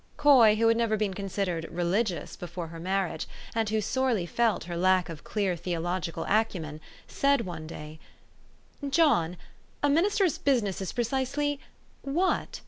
Coy, who had never been considered " religious " before her marriage, and who sorely felt her lack of clear theological acumen, said one day, " John, a minister's business is precisely what?